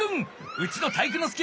うちの体育ノ介を。